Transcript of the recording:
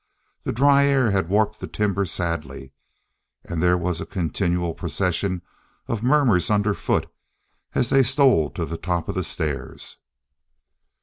The dry air had warped the timber sadly, and there was a continual procession of murmurs underfoot as they stole to the top of the stairs.